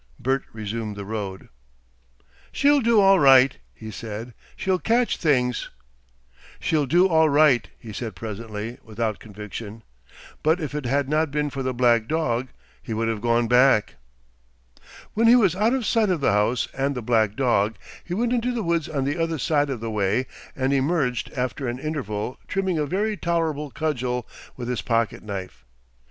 Bert resumed the road. "She'll do all right," he said.... "She'll catch things. "She'll do all right," he said presently, without conviction. But if it had not been for the black dog, he would have gone back. When he was out of sight of the house and the black dog, he went into the woods on the other side of the way and emerged after an interval trimming a very tolerable cudgel with his pocket knife.